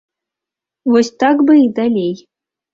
Вось так бы і далей.